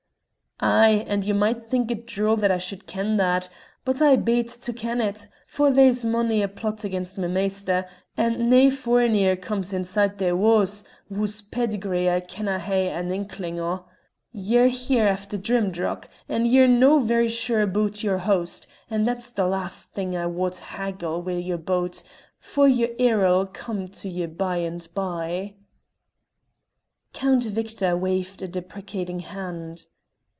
"Ay, and ye might think it droll that I should ken that; But I be't to ken it, for there's mony a plot against my maister, and nae foreigneer comes inside thae wa's whase pedigree I canna' hae an inklin' o'. Ye're here aifter Drimdarroch, and ye're no' very sure aboot your host, and that's the last thing I wad haggle wi' ye aboot, for your error'll come to ye by and by." Count Victor waved a deprecating hand.